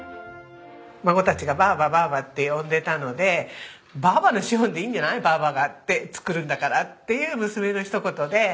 孫たちが「ばぁばばぁば」って呼んでたので「ばぁばのシフォンでいいんじゃないばぁばが作るんだから」っていう娘の一言で。